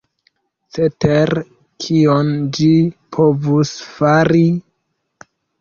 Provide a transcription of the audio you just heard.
Cetere, kion ĝi povus fari?